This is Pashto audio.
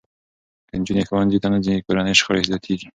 که نجونې ښوونځي ته نه ځي، کورني شخړې زیاتېږي.